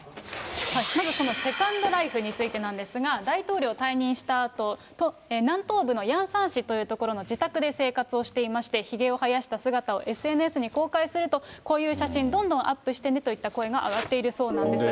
まずそのセカンドライフについてなんですが、大統領退任したあと、南東部のヤンサン市という所の自宅で生活をしていまして、ひげを生やした姿をＳＮＳに公開すると、こういう写真、どんどんアップしてねという声が上がっているそうなんです。